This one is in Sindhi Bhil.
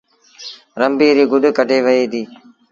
رنبيٚ ريٚ گڏ ڪڍيٚ وهي ديٚ